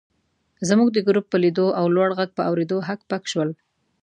زموږ د ګروپ په لیدو او د لوړ غږ په اورېدو هک پک شول.